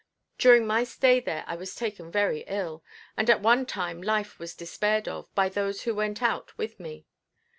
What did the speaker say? During my stay there I was taken very ill, and at one time life was despaired of by those who went out with me.